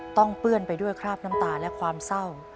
เปื้อนไปด้วยคราบน้ำตาและความเศร้า